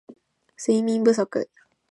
睡眠不足